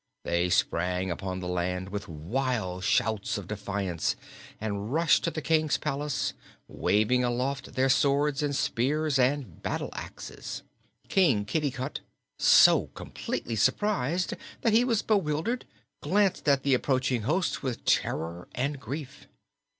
They sprang upon the land with wild shouts of defiance and rushed to the King's palace, waving aloft their swords and spears and battleaxes. King Kitticut, so completely surprised that he was bewildered, gazed at the approaching host with terror and grief.